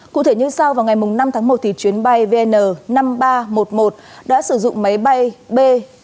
cụ thể như sau vào ngày năm tháng một chuyến bay vn năm nghìn ba trăm một mươi một đã sử dụng máy bay b bảy trăm tám mươi bảy tám trăm sáu mươi tám